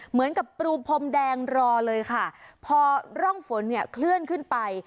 ประตูพรมแดงรอเลยค่ะพอร่องฝนเนี่ยเคลื่อนขึ้นไป